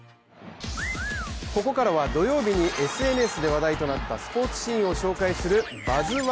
ここからは土曜日にＳＮＳで話題となったスポーツシーンを紹介する「バズ☆１」